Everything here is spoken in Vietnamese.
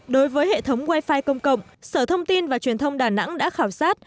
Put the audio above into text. đối với hệ thống wi fi công cộng sở thông tin và truyền thông đà nẵng đã khảo sát